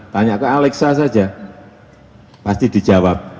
tanya ke alexa saja pasti dijawab